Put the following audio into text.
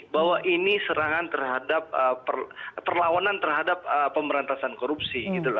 bahwa ini serangan terhadap perlawanan terhadap pemberantasan korupsi